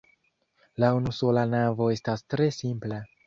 La unusola navo estas tre simpla.